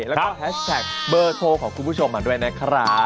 แล้วก็แฮชแท็กเบอร์โทรของคุณผู้ชมมาด้วยนะครับ